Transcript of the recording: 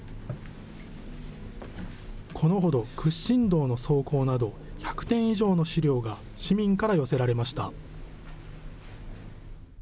このほど屈伸道の草稿など１００点以上の資料が市民から寄せられました。